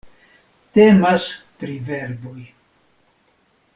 Temas pri verboj.